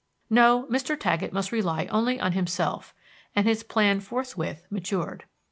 No, Mr. Taggett must rely only on himself, and his plan forthwith matured.